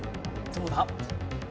どうだ？